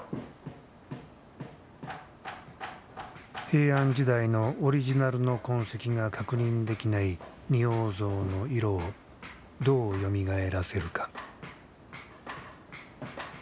平安時代のオリジナルの痕跡が確認できない仁王像の色をどうよみがえらせるか。